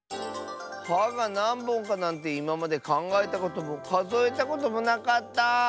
「は」がなんぼんかなんていままでかんがえたこともかぞえたこともなかった。